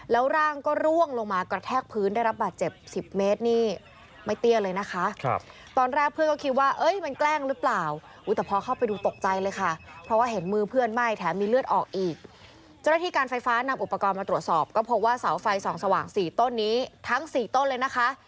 แล้วที่การไฟฟ้านำอุปกรณ์มาตรวจสอบก็พบว่าเสาไฟ๒สว่าง๔ต้นนี้ทั้ง๔ต้นเลยนะคะ